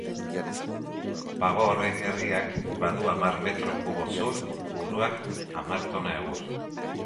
Pago horren gerriak badu hamar metro kubo zur, buruak hamar tona egur.